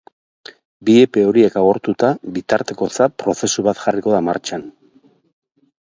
Bi epe horiek agortuta, bitartekotza prozesu bat jarriko da martxan.